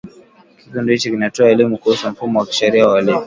Kikundi hicho kinatoa elimu kuhusu mfumo wa kisheria wa uhalifu